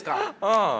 うん。